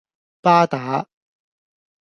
巴打